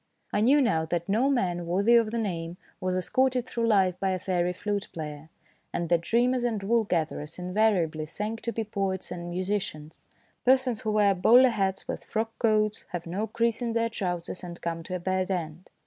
I knew now that no man worthy of the name was escorted through life by a fairy flute player, and that dreamers and wool gatherers invariably sank to be poets and musicians, persons who wear bowler hats with frock coats, have no crease in their trousers, and come to a bad end.